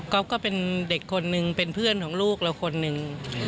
ก็เป็นเด็กคนนึงเป็นเพื่อนของลูกเราคนหนึ่ง